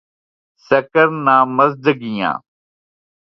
سکر نامزدگیاں